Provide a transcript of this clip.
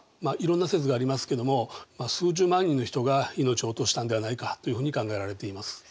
いろんな説がありますけども数十万人の人が命を落としたのではないかというふうに考えられています。